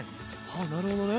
あっなるほどね。